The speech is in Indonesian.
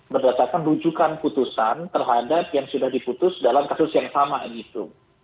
berdasarkan rujukan putusan terhadap yang sudah diputus dalam kasus yang sama gitu